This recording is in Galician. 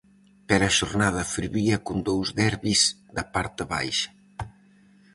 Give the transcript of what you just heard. Pero a xornada fervía con dous derbis da parte baixa.